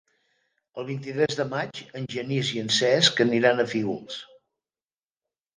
El vint-i-tres de maig en Genís i en Cesc aniran a Fígols.